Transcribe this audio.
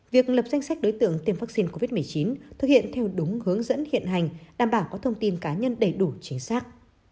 việc lập danh sách đối tượng tiêm vaccine covid một mươi chín thực hiện theo đúng hướng dẫn hiện hành đảm bảo có thông tin cá nhân đầy đủ chính xác